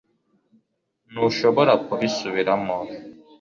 ntushobora kubisubiramo